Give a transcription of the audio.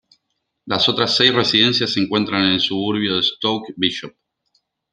Las otras seis residencias se encuentran en el suburbio de Stoke Bishop.